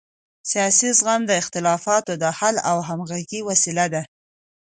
سیاسي زغم د اختلافاتو د حل او همغږۍ وسیله ده